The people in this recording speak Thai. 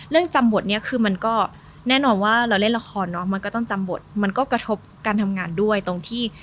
จำบทนี้คือมันก็แน่นอนว่าเราเล่นละครเนาะมันก็ต้องจำบทมันก็กระทบการทำงานด้วยตรงที่